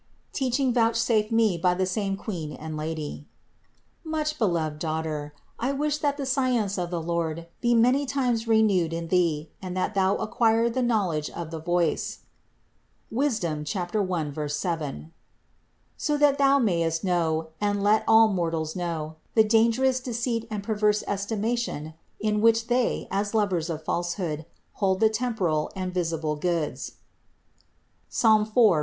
TEACHING VOUCHSAFED ME BY THE SAME QUEEN AND 435. Much beloved daughter, I wish that the science of the Lord be many times renewed in thee, and that thou acquire the knowledge of the voice (Wis. 1, 7), so 360 CITY OF GOD that thou mayst know, (and let also mortals know), the dangerous deceit and perverse estimation in which they, as lovers of falsehood, hold the temporal and visible goods (Ps. 4, 4).